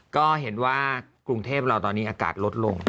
ก็เห็นว่ากรุงเทพเราตอนนี้อากาศลดลง